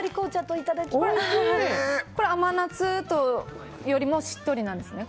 甘夏よりもしっとりなんですね。